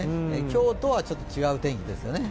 今日とはちょっと違う天気ですよね。